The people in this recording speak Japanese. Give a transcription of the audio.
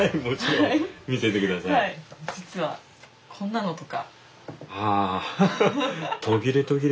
実はこんなのとか。はあ。